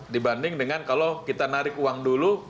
dibanding dengan kalau kita narik uang dulu